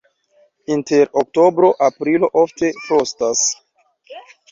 Inter oktobro-aprilo ofte frostas.